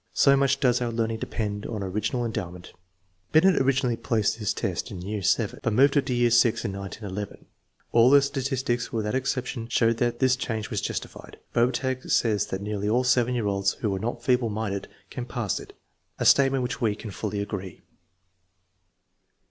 So much does our learning depend on original endowment. Binet originally placed this test in year VII, but moved it to year VI in 1911. All the statistics, without exception, show that this change was justified. Bobertag says that nearly all 7 year olds who are not feeble minded can pass it, a statement with which we can fully agree.